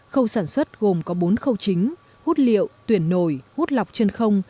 khâu sản xuất gồm có bốn khâu chính hút liệu tuyển nổi hút lọc chân không